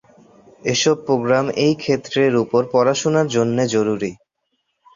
এসব প্রোগ্রাম এই ক্ষেত্রের উপর পড়াশোনার জন্যে জরুরী।